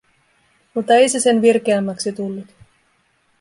Mutta ei se sen virkeämmäksi tullut.